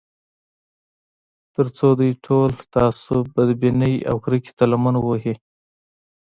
تر څو دوی ټول تعصب، بدبینۍ او کرکې ته لمن ووهي